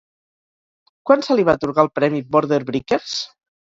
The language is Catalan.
Quan se li va atorgar el Premi Border Breakers?